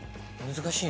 難しいの？